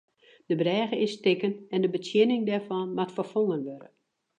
De brêge is stikken en de betsjinning dêrfan moat ferfongen wurde.